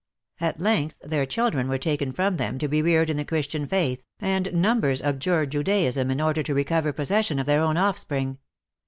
At length their children were taken from them to be reared in the Christian faith, and numbers abjured Judaism in order to recover possession of their own offspring.